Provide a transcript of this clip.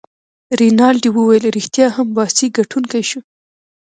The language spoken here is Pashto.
رینالډي وویل: ريښتیا هم، باسي ګټونکی شو.